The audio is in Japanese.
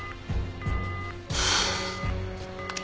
はあ。